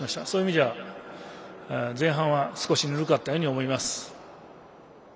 そういう意味じゃ、前半は少しぬるかったように思います。